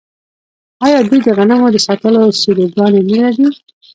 آیا دوی د غنمو د ساتلو سیلوګانې نلري؟